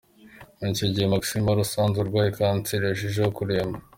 Muri icyo gihe Maxine wari usanzwe arwaye kanseri, yarushijeho kuremba.